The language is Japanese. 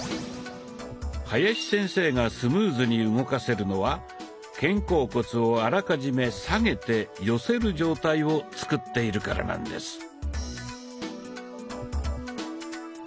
林先生がスムーズに動かせるのは肩甲骨をあらかじめ下げて寄せる状態を作っているからなんです。